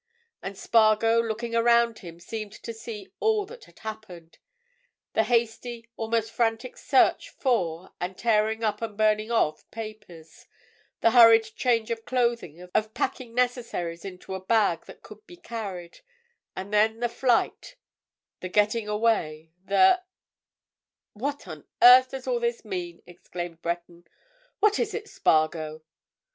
And Spargo, looking around him, seemed to see all that had happened—the hasty, almost frantic search for and tearing up and burning of papers; the hurried change of clothing, of packing necessaries into a bag that could be carried, and then the flight the getting away, the—— "What on earth does all this mean?" exclaimed Breton. "What is it, Spargo?"